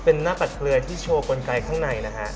เป็นหน้าปัดเกลือที่โชว์กลไกข้างในนะฮะ